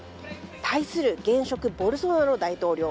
対する、現職ボルソナロ大統領。